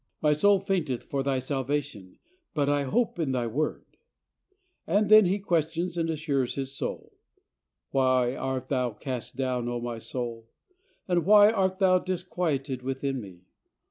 My soul fainteth for Thy salvation ; but I hope in Thy word," and then he questions and assures his soul, "Why art thou cast down, O my soul? and why art thou disquieted within me?